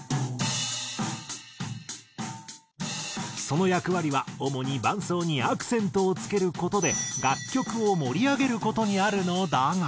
その役割は主に伴奏にアクセントをつける事で楽曲を盛り上げる事にあるのだが。